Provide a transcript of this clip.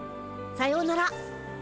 さようなら。